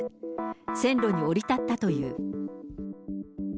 線路に降り立ったという。